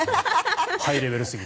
ハイレベルすぎて。